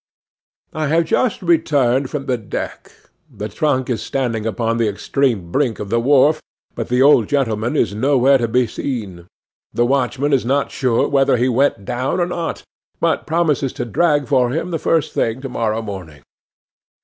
'I have just returned from the deck. The trunk is standing upon the extreme brink of the wharf, but the old gentleman is nowhere to be seen. The watchman is not sure whether he went down or not, but promises to drag for him the first thing to morrow morning.